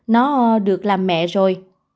nó được làm mẹ rồi